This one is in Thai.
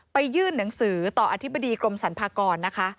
ยื่นหนังสือต่ออธิบดีกรมสรรพากรนะคะ